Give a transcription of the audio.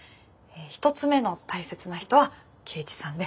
一つ目の大切な人は圭一さんで。